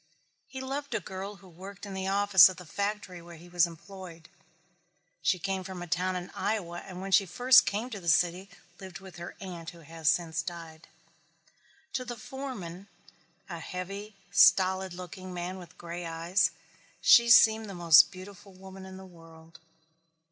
He loved a girl who worked in the office of the factory where he was employed. She came from a town in Iowa and when she first came to the city lived with her aunt who has since died. To the foreman, a heavy stolid looking man with gray eyes, she seemed the most beautiful woman in the world.